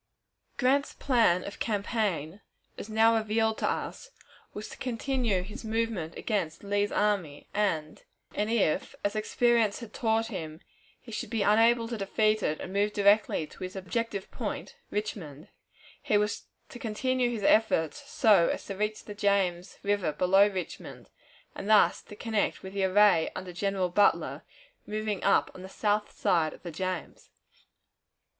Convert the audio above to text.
Grant's plan of campaign, as now revealed to us, was to continue his movement against Lee's army, and, if, as experience had taught him, he should be unable to defeat it and move directly to his objective point, Richmond, he was to continue his efforts so as to reach the James River below Richmond, and thus to connect with the array under General Butler, moving up on the south side of the James.